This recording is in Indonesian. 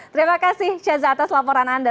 terima kasih ceza atas laporan anda